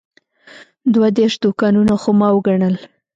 دوه دېرش دوکانونه خو ما وګڼل.